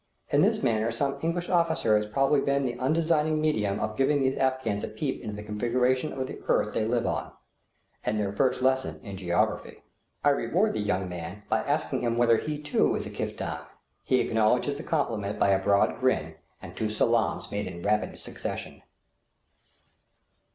In this manner some English officer has probably been the undesigning medium of giving these Afghans a peep into the configuration of the earth they live on, and their first lesson in geography. I reward the young man by asking him whether he too is a "kiftan." He acknowledges the compliment by a broad grin and two salaams made in rapid succession.